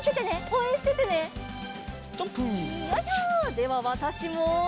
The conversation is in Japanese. ではわたしも。